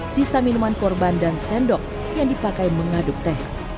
sisa minuman korban dan sendok yang dipakai mengaduk teh